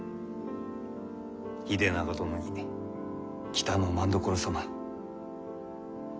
秀長殿に北政所様。